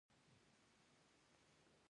حشمتي د خپل هيجان د پټولو هڅه کوله